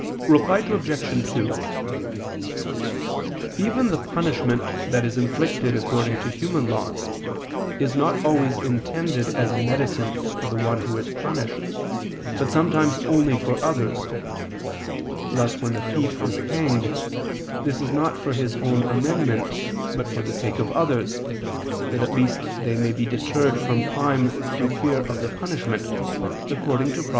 Reply Obj. 2: Even the punishment that is inflicted according to human laws, is not always intended as a medicine for the one who is punished, but sometimes only for others: thus when a thief is hanged, this is not for his own amendment, but for the sake of others, that at least they may be deterred from crime through fear of the punishment, according to Prov.